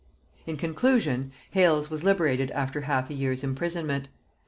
In conclusion, Hales was liberated after half a year's imprisonment.